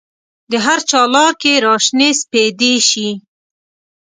د هرچا لار کې را شنې سپیدې شي